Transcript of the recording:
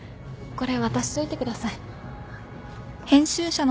これ渡しといてください。